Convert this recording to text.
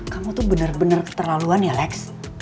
kamu tuh bener bener keterlaluan ya lex